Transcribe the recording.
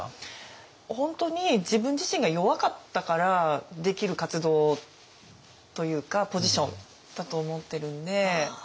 本当に自分自身が弱かったからできる活動というかポジションだと思ってるんで。